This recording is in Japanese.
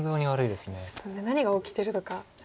ちょっと何が起きてるのか。